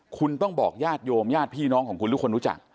คุณต้องบอกญาติโยมญาติพี่น้องของคุณหรือคนรู้จัก